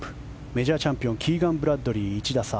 メジャーチャンピオンキーガン・ブラッドリー１打差。